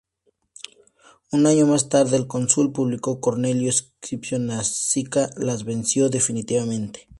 Un año más tarde el cónsul Publio Cornelio Escipión Nasica les venció definitivamente.